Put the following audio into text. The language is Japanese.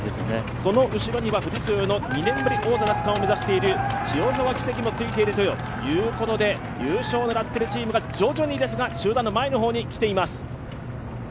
その後ろには富士通の２年ぶり王座奪還を目指している塩澤稀夕がついているという優勝を狙っているチームが徐々に前に来ています。